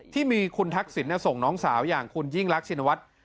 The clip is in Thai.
ที่มีคุณทักษิณส่งน้องสาวอย่างคุณยิ่งรักชินวัฒน์